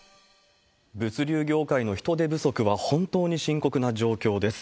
物流業界の人手不足は本当に深刻な状況です。